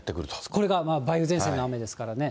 これが梅雨前線の雨ですからね。